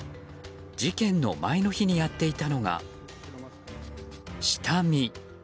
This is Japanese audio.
事件の前の日にやっていたのが下見。